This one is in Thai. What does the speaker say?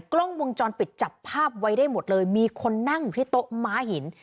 กล้องวงจรปิดจับภาพไว้ได้หมดเลยมีคนนั่งอยู่ที่โต๊ะม้าหิน